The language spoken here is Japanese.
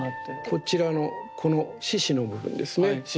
こちらのこの獅子の部分ですね。